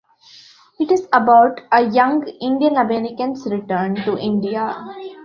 It is about a young Indian American's return to India.